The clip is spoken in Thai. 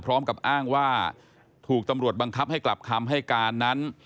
พร้อมกับอ้างว่าถูกตำรวจบังคับให้กลับคำให้การนั้น